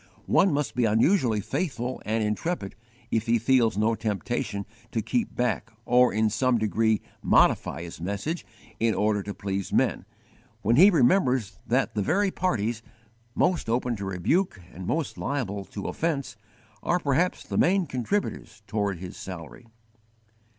One must be unusually faithful and intrepid if he feels no temptation to keep back or in some degree modify his message in order to please men, when he remembers that the very parties, most open to rebuke and most liable to offence, are perhaps the main contributors toward his salary.